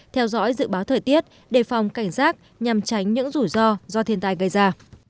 theo dõi dự báo thời tiết đề phòng cảnh giác nhằm tránh những rủi ro do thiên tai gây ra